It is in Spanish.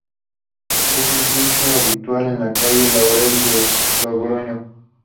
Es un pincho habitual de la calle Laurel de Logroño.